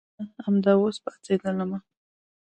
نه امدا اوس پاڅېدلمه.